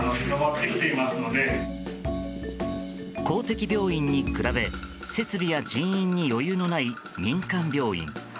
公的病院に比べ設備や人員に余裕のない民間病院。